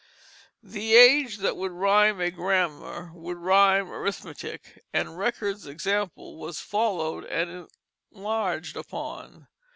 The age that would rhyme a grammar would rhyme an arithmetic, and Record's example was followed and enlarged upon.